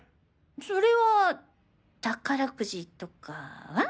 それは宝くじとかは？